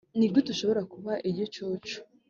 Nigute ushobora kuba igicucu